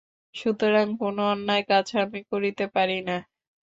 সুতরাং কোন অন্যায় কাজ আমি করিতে পারি না।